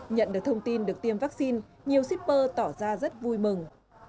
nhận được thông tin được tiêm vaccine nhiều shipper tỏ ra rất vui mừng